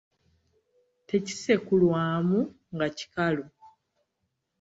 Tekisekulwamu nga kikalu.